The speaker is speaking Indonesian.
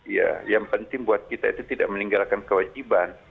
ya yang penting buat kita itu tidak meninggalkan kewajiban